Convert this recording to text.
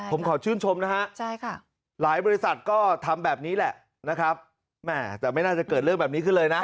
ผมขอชื่นชมนะฮะหลายบริษัทก็ทำแบบนี้แหละนะครับแม่แต่ไม่น่าจะเกิดเรื่องแบบนี้ขึ้นเลยนะ